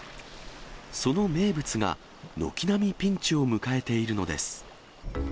その名物が軒並みピンチを迎えているのです。